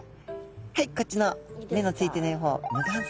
はいこっちの目のついてない方無眼側。